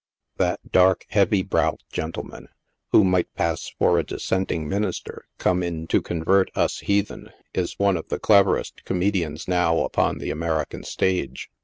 That dark, heavy browed gentleman, who might pass for a dissent ing minister, come in to convert us heathen, is one of the cleverest comedians now upon the American stage.